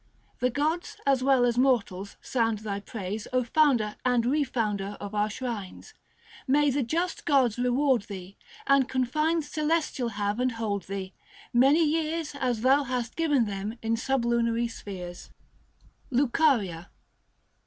The gods, as well as mortals, sound thy praise 50 founder and refounder of our shrines. May the just gods reward thee ; and confines Celestial have and hold thee, many years As thou hast given them in sublunary spheres. LTJCARIA.